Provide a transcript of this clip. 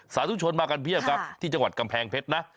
สาธุชนมากันเพียบครับที่จังหวัดกำแพงเพชรนะ